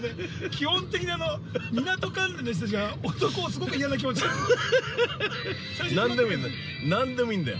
基本的に、港関連の人たちが男を、すごく嫌な気持に◆何でもいいんだよ。